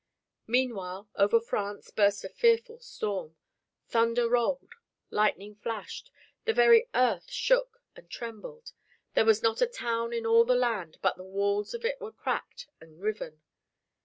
Meanwhile over France burst a fearful storm. Thunder rolled, lightning flashed, the very earth shook and trembled. There was not a town in all the land but the walls of it were cracked and riven.